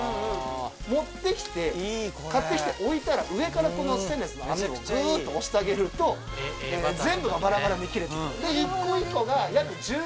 持って来て買って来て置いたら上からこのステンレスの網をぐっと押してあげると全部がバラバラに切れてる。